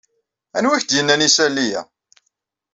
Anwa ay ak-d-yennan isali-a?